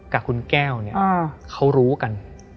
กับคุณแก้วเนี่ยเขารู้กัน